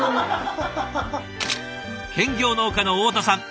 兼業農家の太田さん。